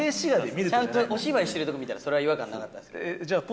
ちゃんとお芝居してるところを見たらそれは違和感なかったですけど。